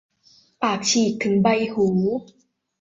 ปากฉีกถึงใบหู